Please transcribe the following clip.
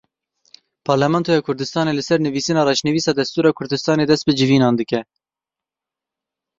Parlamentoya Kurdistanê li ser nivîsîna reşnivîsa destûra Kurdistanê dest bi civînan dike.